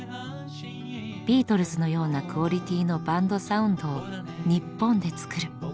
ビートルズのようなクオリティーのバンドサウンドを日本で作る。